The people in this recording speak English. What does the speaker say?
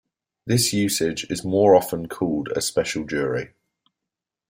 This usage is more often called a special jury.